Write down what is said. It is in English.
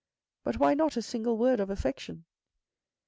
But why not a single word of affection